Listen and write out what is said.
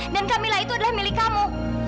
dan kamilah itu adalah milik kamu